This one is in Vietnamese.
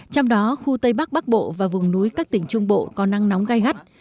trong đó khu tây bắc bắc bộ và vùng núi các tỉnh trung bộ có năng nóng gây gắt